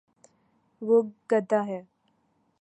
وہ گد ہ ہے